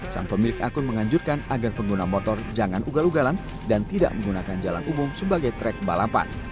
sang pemilik akun menganjurkan agar pengguna motor jangan ugal ugalan dan tidak menggunakan jalan umum sebagai track balapan